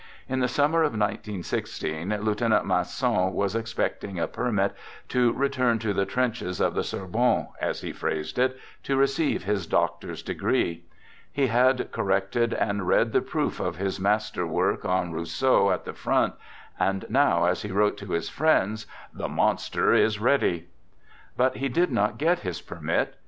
In the summer of 19 16, Lieutenant Masson was ex pecting a permit to return to the " trenches of the Sorbonne," as he phrased it, to receive his doctor's degree. He had corrected and read the proof of his master work on Rousseau at the front, and now, as he wrote to his friends, " The monster is ready! " But he did not get his permit.